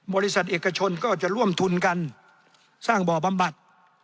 บริษัทเอกชนก็จะร่วมทุนกันสร้างบ่อบำบัด